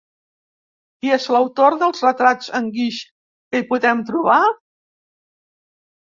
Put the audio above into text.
Qui és l'autor dels retrats en guix que hi podem trobar?